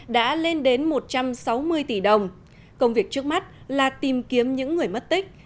đã lên đến một trăm sáu mươi tỷ đồng công việc trước mắt là tìm kiếm những người mất tích